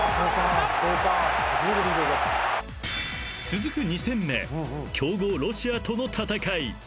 ［続く２戦目強豪ロシアとの戦い］